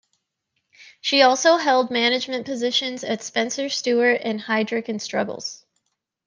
She also held management positions at Spencer Stuart and Heidrick and Struggles.